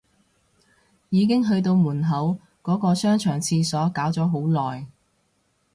已經去到門口，喺個商場廁所搞咗好耐